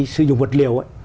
sử dụng vật liều